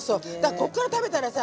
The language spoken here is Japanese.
こっから食べたらね。